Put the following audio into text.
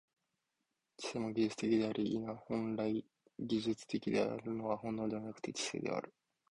知性も技術的であり、否、本来技術的であるのは本能でなくて知性である。